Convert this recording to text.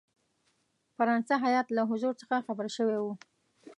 فرانسه هیات له حضور څخه خبر شوی وو.